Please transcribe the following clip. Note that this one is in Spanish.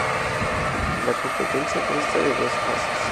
La competencia consta de dos fases.